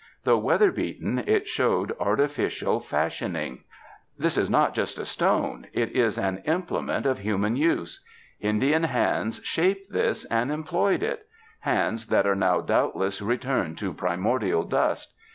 Though weather beaten, it showed artificial fashion ing. "This is not just a stone; it is an implement of human use. Indian hands shaped this and em ployed it — hands that are now doubtless returned THE MOUNTAINS to primordial dust.